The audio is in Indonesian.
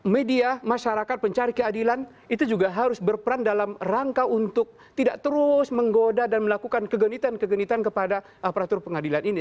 media masyarakat pencari keadilan itu juga harus berperan dalam rangka untuk tidak terus menggoda dan melakukan kegenitan kegenitan kepada aparatur pengadilan ini